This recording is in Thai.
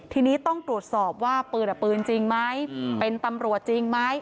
ทีนี้ต้องตรวจสอบว่าปืนปืนจริงไหมเป็นตำรวจจริงไหม